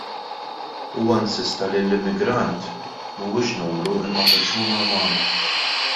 Huwa insista li l-immigrant mhuwiex numru imma persuna umana.